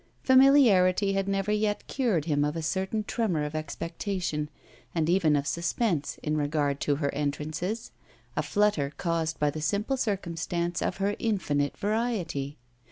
Familiarity had never yet cured him of a certain tremor of expectation, and even of suspense, in regard to her entrances; a flutter caused by the simple circumstance of her infinite variety.